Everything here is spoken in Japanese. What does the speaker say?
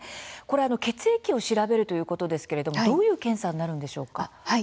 血液を調べるということですけれどもどういう検査になるんでしょうか。